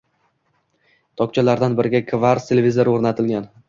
Tokchalardan biriga «Kvarts» televizori oʼrnatilgan.